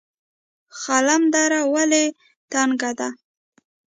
خلم دره ولې تنګه ده؟